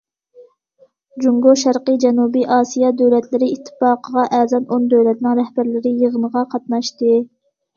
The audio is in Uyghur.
جۇڭگو شەرقىي جەنۇبىي ئاسىيا دۆلەتلىرى ئىتتىپاقىغا ئەزا ئون دۆلەتنىڭ رەھبەرلىرى يىغىنغا قاتناشتى.